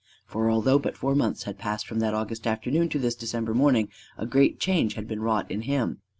For although but four months had passed from that August afternoon to this December morning, a great change had been wrought in him.